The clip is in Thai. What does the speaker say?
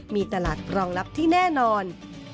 มีตลาดรองรับที่แน่นอน